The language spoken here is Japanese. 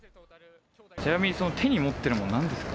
ちなみにその手に持ってるもの、なんですか？